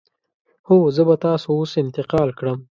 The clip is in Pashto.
هو، زه به تاسو اوس انتقال کړم.